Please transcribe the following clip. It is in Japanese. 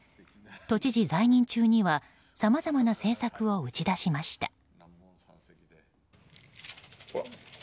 都知事在任中にはさまざまな政策を打ち出しました。